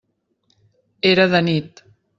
Era de nit.